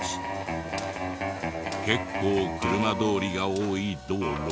結構車通りが多い道路。